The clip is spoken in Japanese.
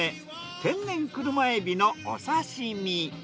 天然クルマエビのお刺身。